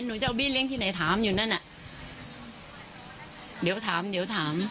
หนูจะเอาบี้เลี้ยที่ไหนถามอยู่นั่นอ่ะเดี๋ยวถามเดี๋ยวถาม